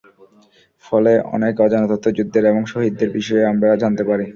ফলে অনেক অজানা তথ্য, যুদ্ধের এবং শহীদদের বিষয়ে, আমরা জানতে পারি।